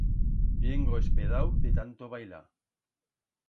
Viengo espedau de tanto bailar.